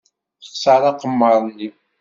Texṣer aqemmer-nni.